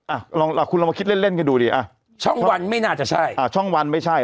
อ่ะลองอ่ะคุณลองมาคิดเล่นเล่นกันดูดีอ่ะช่องวันไม่น่าจะใช่อ่าช่องวันไม่ใช่